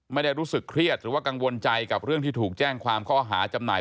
ไม่ได้รู้สึกเครียดหรือว่ากังวลใจกับเรื่องที่ถูกแจ้งความข้อหาจำหน่าย